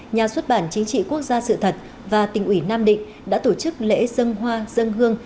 nhà xuất bản chính trị quốc gia sự thật và tỉnh ủy nam định đã tổ chức lễ dân hoa dân hương